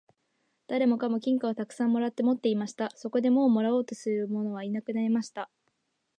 誰もかも金貨をたくさん貰って持っていました。そこでもう貰おうとするものはなくなりました。